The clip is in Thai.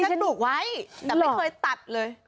อีซาตุ๋กไว้แต่ไม่เคยตัดเลย